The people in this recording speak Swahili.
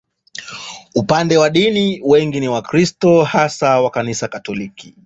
Upande wa dini, wengi ni Wakristo, hasa wa Kanisa Katoliki.